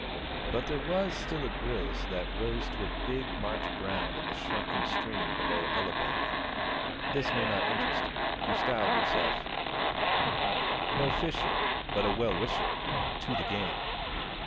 But there was still a grilse that rose to a big March brown in the shrunken stream below Elibank. This may not interest you, who styled yourself No fisher, But a well wisher To the game!